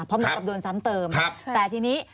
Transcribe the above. เพราะเหมือนกับโดนซ้ำเติมแต่ทีนี้